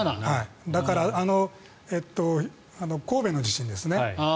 だから、神戸の地震ですね。